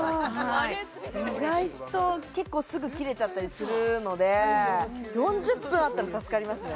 意外と結構すぐ切れちゃったりするので４０分あったら助かりますね